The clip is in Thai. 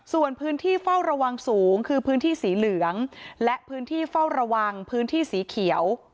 ส่วนพื้นที่เฝ้าระวังสูงคือพื้นที่สีเหลืองและพื้นที่เฝ้าระวังพื้นที่สีเขียว